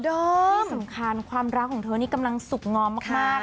ที่สำคัญความรักของเธอนี่กำลังสุขงอมมาก